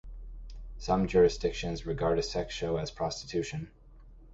Some jurisdictions regard a sex show as prostitution.